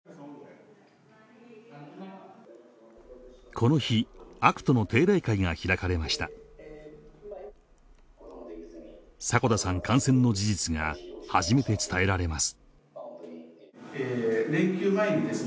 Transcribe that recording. この日アクトの定例会が開かれました迫田さん感染の事実が初めて伝えられます